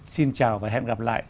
xin chào và hẹn gặp lại